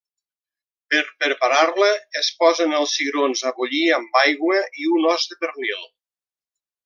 Per preparar-la, es posen els cigrons a bullir amb aigua i un os de pernil.